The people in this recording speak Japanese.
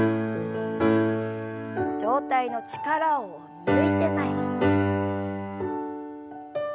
上体の力を抜いて前に。